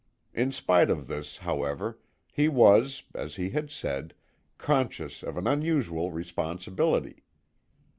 In spite of this, however, he was, as he had said, conscious of an unusual responsibility.